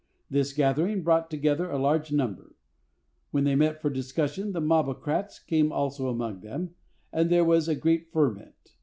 This gathering brought together a large number. When they met for discussion, the mobocrats came also among them, and there was a great ferment.